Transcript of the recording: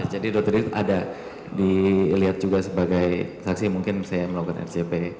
jadi dokter didit ada dilihat juga sebagai saksi mungkin saya melakukan rcp